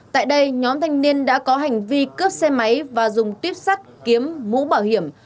tại đây nhóm thanh niên đã có hành vi cướp xe máy và dùng tuyếp sắt kiếm mũ bảo hiểm